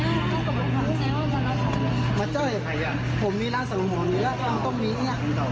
มาเจ้าให้ใครอ่ะผมมีร้านสำหรับหัวนี้แล้วก็ต้องมีเนี่ย